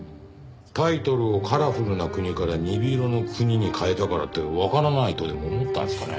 タイトルを『カラフルなくに』から『鈍色のくに』に変えたからってわからないとでも思ったんですかね？